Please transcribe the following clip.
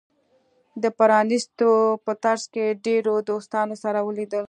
د پرانېستلو په ترڅ کې ډیرو دوستانو سره ولیدل.